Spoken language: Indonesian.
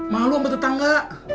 malu sama tetangga